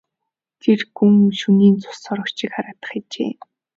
Тэр гүн шөнийн цус сорогч шиг харагдах ажээ.